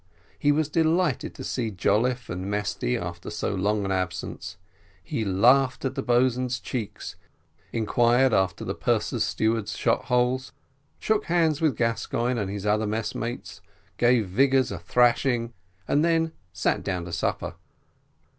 He was delighted to see Jolliffe and Mesty after so long an absence; he laughed at the boatswain's cheeks, inquired after the purser's steward's shot holes, shook hands with Gascoigne and his other mess mates, gave Vigors a thrashing, and then sat down to supper.